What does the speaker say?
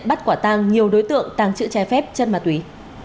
bắt quả tăng nhiều đối tượng tăng chữ trái phép chất ma túy